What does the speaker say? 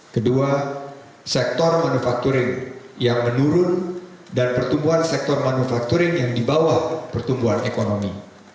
kedua sektor manufakturing yang menurun dan pertumbuhan sektor manufakturing yang di bawah pertumbuhan ekonomi